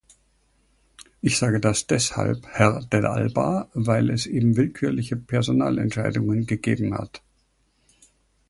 Ich sage das deshalb, Herr Dell'Alba, weil es eben willkürliche Personalentscheidungen gegeben hat.